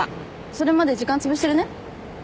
それまで時間つぶしてるね。